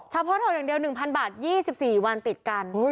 เฉพาะดอกอย่างเดียวหนึ่งพันบาทยี่สิบสี่วันติดกัน